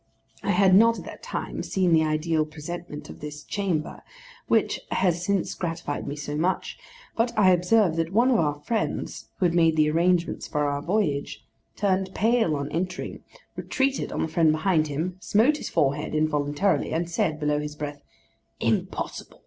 I had not at that time seen the ideal presentment of this chamber which has since gratified me so much, but I observed that one of our friends who had made the arrangements for our voyage, turned pale on entering, retreated on the friend behind him, smote his forehead involuntarily, and said below his breath, 'Impossible!